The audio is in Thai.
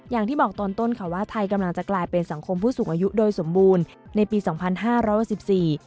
อย่างที่บอกตอนต้นค่ะว่าไทยกำลังจะกลายเป็นสังคมผู้สูงอายุโดยสมบูรณ์ในปีสองพันห้าร้อยหกสิบสี่